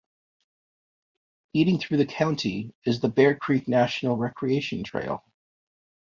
Leading through the county is the Bear Creek National Recreation Trail.